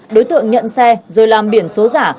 đối tượng nhận xe rồi làm biển số giả